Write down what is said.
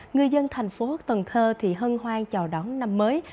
người dân tp cn thì hân hoan chào đón năm mới